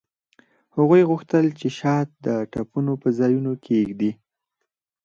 هغوی غوښتل چې شات د ټپونو په ځایونو کیږدي